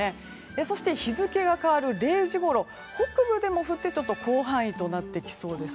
そして、日付が変わる０時ごろ北部でも降ってちょっと広範囲となってきそうです。